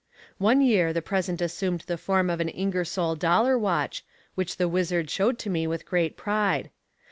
One year the present assumed the form of an Ingersoll Dollar Watch, which the Wizard showed to me with great pride.